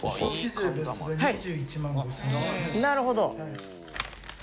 なるほど。